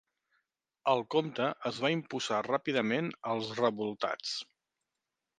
El comte es va imposar ràpidament als revoltats.